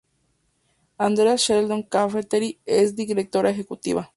Andrea Sheldon Lafferty es su directora ejecutiva.